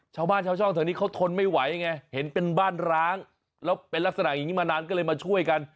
ชาวบ้านชาวช่องแถวนี้เขาทนไม่ไหวไงเห็นเป็นบ้านร้างแล้วเป็นลักษณะอย่างนี้มานานก็เลยมาช่วยกัน